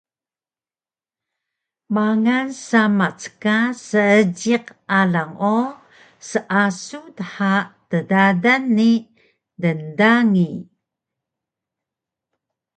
Mangal samac ka seejiq alang o seasug dha ddadan ni dngdangi